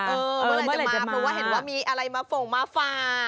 เพราะว่าเห็นว่ามีอะไรมาฟงมาฟา